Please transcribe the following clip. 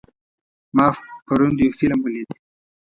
ما پرون یو فلم ولید.